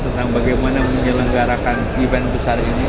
tentang bagaimana menyelenggarakan event besar ini